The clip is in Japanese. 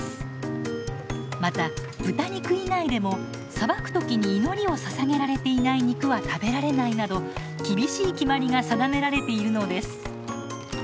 また豚肉以外でもさばく時に祈りをささげられていない肉は食べられないなど厳しい決まりが定められているのです。